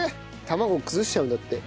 卵崩しちゃうんだって。